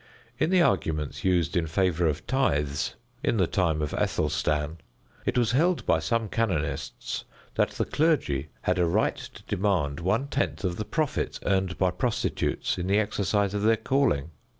In the arguments used in favor of tithes, in the time of Athelstan, it was held by some canonists that the clergy had a right to demand one tenth of the profits earned by prostitutes in the exercise of their calling.